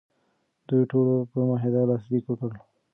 دوی ټولو په معاهده لاسلیک وکړ.